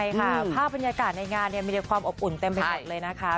ใช่ค่ะภาพบรรยากาศในงานมีแต่ความอบอุ่นเต็มไปหมดเลยนะคะ